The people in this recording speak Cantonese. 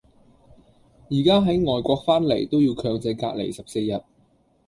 而家喺外國返嚟都要強制隔離十四日